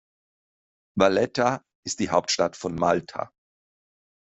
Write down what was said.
Valletta ist die Hauptstadt von Malta.